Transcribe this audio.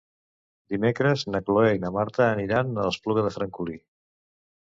Dimecres na Cloè i na Marta aniran a l'Espluga de Francolí.